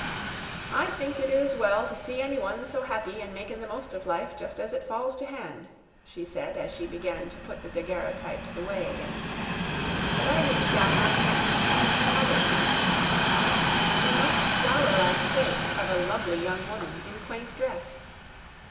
"I think it is well to see any one so happy an' makin' the most of life just as it falls to hand," she said as she began to put the daguerreotypes away again; but I reached out my hand to see her mother's once more, a most flowerlike face of a lovely young woman in quaint dress.